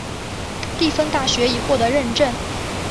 蒂芬大学已获得认证。